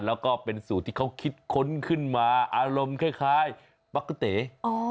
แล้วก็เป็นสูตรที่เขาคิดค้นขึ้นมาอารมณ์คล้ายปั๊กกะเต๋